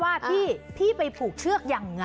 ว่าพี่ไปผูกเชือกยังไง